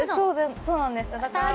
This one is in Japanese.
そうなんです。